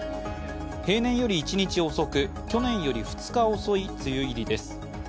平年より１日遅く、去年より２日遅い梅雨入りです。